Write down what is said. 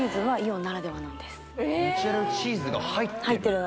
ナチュラルチーズが入ってる？